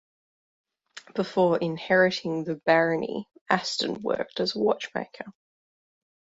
Before inheriting the barony, Aston worked as a watchmaker.